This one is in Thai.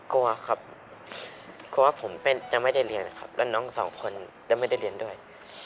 กลัวครับกลัวว่าผมจะไม่ได้เรียนนะครับแล้วน้องสองคนจะไม่ได้เรียนด้วย